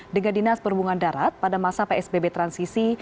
dengan dinas perhubungan darat pada masa psbb transisi